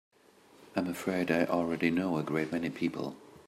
I'm afraid I already know a great many people.